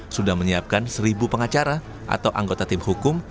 sudah menyiapkan seribu pengacara atau anggota tim hukum